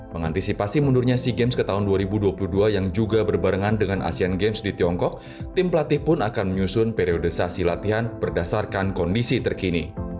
mengantisipasi mundurnya sea games ke tahun dua ribu dua puluh dua yang juga berbarengan dengan asean games di tiongkok tim pelatih pun akan menyusun periodisasi latihan berdasarkan kondisi terkini